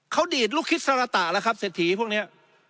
เขาดีดลูกคิดสารตะแล้วครับเศรษฐีพวกนี้